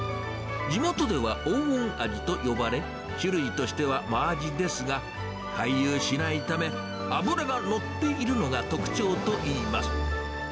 地元では黄金アジと呼ばれ、種類としては真アジですが、回遊しないため、脂が乗っているのが特徴といいます。